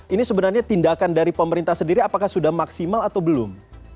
ini sebenarnya tindakan dari pemerintah sendiri apakah sudah maksimal atau belum